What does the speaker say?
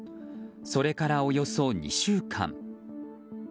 それからおよそ２週間。